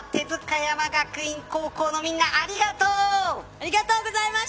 ありがとうございます。